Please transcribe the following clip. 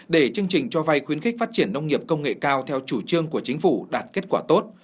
để chương trình cho vay khuyến khích phát triển nông nghiệp công nghệ cao theo chủ trương của chính phủ đạt kết quả tốt